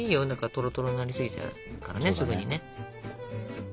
トロトロになり過ぎちゃうからねすぐにね。